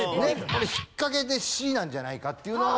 俺引っかけでＣなんじゃないかっていうのは。